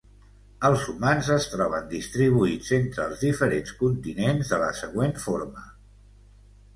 Els humans es troben distribuïts entre els diferents continents de la següent forma.